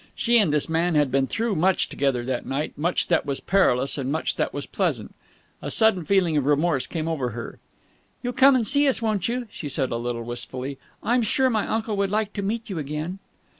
She and this man had been through much together that night, much that was perilous and much that was pleasant. A sudden feeling of remorse came over her. "You'll come and see us, won't you?" she said a little wistfully. "I'm sure my uncle would like to meet you again."